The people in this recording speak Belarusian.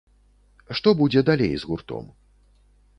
Што будзе далей з гуртом?